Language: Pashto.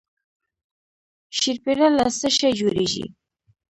شیرپیره له څه شي جوړیږي؟